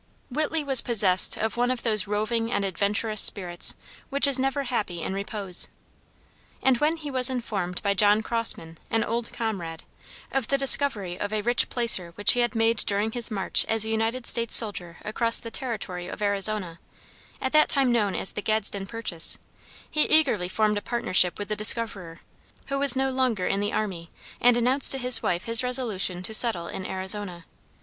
Whitley was possessed of one of those roving and adventurous spirits which is never happy in repose, and when he was informed by John Crossman, an old comrade, of the discovery of a rich placer which he had made during his march as a United States soldier across the territory of Arizona, at that time known as the Gadsden purchase, he eagerly formed a partnership with the discoverer, who was no longer in the army, and announced to his wife his resolution to settle in Arizona.